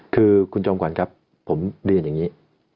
คือคุณจอมขวัญครับผมเรียนอย่างนี้